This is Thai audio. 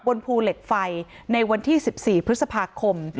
บนภูเล็กไฟในวันที่สิบสี่พฤษภาคมอืม